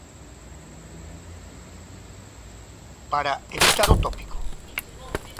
Para evitar o tópico?